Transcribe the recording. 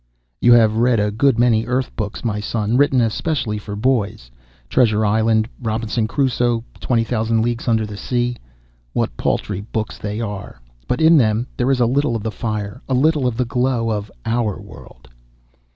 "You have read a good many Earth books, my son, written especially for boys. Treasure Island, Robinson Crusoe, Twenty Thousand Leagues Under The Sea. What paltry books they are! But in them there is a little of the fire, a little of the glow of our world."